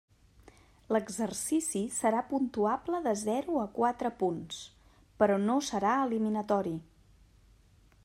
L'exercici serà puntuable de zero a quatre punts, però no serà eliminatori.